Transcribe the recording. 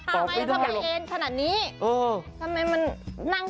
ทำไมมันนั่งตรง